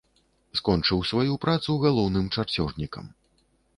Скончыў сваю працу галоўным чарцёжнікам.